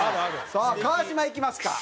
さあ川島いきますか。